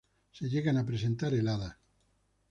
Se llegan a presentar heladas.